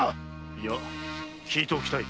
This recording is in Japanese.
いや聞いておきたい。